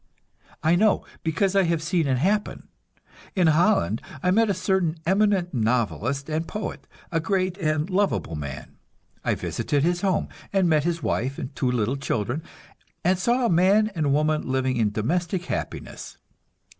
I know, because I have seen it happen. In Holland I met a certain eminent novelist and poet, a great and lovable man. I visited his home, and met his wife and two little children, and saw a man and woman living in domestic happiness.